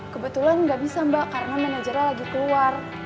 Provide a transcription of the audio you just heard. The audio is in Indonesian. kebetulan nggak bisa mbak karena manajernya lagi keluar